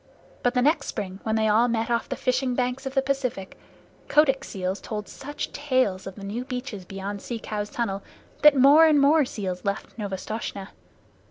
But next spring, when they all met off the fishing banks of the Pacific, Kotick's seals told such tales of the new beaches beyond Sea Cow's tunnel that more and more seals left Novastoshnah.